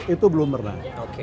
itu belum pernah